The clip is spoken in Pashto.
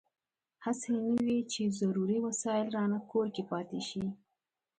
هسې نه وي چې ضروري وسایل رانه کور کې پاتې شي.